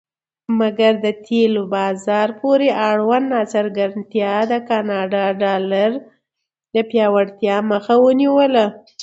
مګر د تیلو بازار پورې اړوند ناڅرګندتیا د کاناډا ډالر د پیاوړتیا مخه ونیوله.